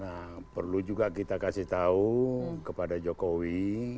nah perlu juga kita kasih tahu kepada jokowi